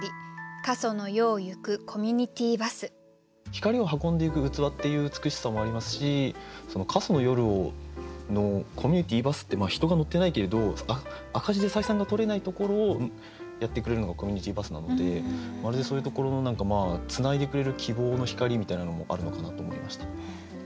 光を運んでいく器っていう美しさもありますし過疎の夜のコミュニティバスって人が乗っていないけれど赤字で採算がとれないところをやってくれるのがコミュニティバスなのでまるでそういうところの何かまあつないでくれる希望の光みたいなのもあるのかなと思いました。